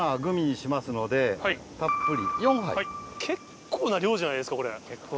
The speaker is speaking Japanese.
結構な量じゃないですかこれ。